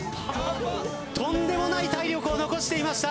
とんでもない体力を残していました。